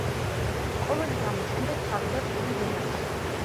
ყოველივე ამის შემდეგ ჩავიდა წყვილი ვენაში.